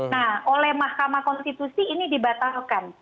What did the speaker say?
nah oleh mahkamah konstitusi ini dibatalkan